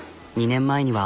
２年前には。